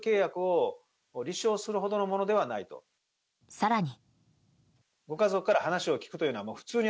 更に。